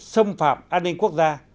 xâm phạm an ninh quốc gia